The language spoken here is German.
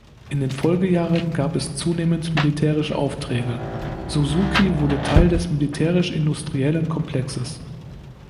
In den Folgejahren gab es zunehmend militärische Aufträge, Suzuki wurde Teil des militärisch-industriellen Komplexes.